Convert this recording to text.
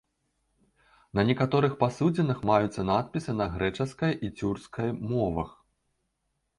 На некаторых пасудзінах маюцца надпісы на грэчаскай і цюркскай мовах.